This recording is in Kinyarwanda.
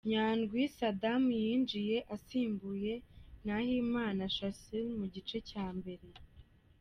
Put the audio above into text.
Nyandwi Saddam yinjiye asimbuye Nahimana Shassir mu gice cya mbere